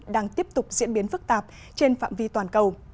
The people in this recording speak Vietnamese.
đang tiếp tục diễn biến phức tạp trên phạm vi toàn cầu